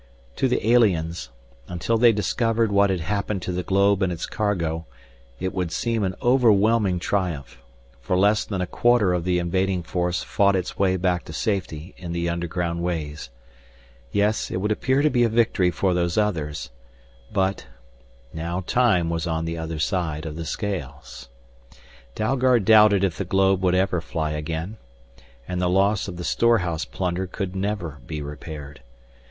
To the aliens, until they discovered what had happened to the globe and its cargo, it would seem an overwhelming triumph, for less than a quarter of the invading force fought its way back to safety in the underground ways. Yes, it would appear to be a victory for Those Others. But now time was on the other side of the scales. Dalgard doubted if the globe would ever fly again. And the loss of the storehouse plunder could never be repaired.